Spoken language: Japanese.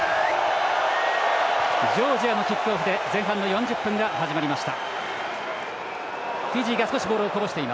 ジョージアのキックオフで前半の４０分が始まりました。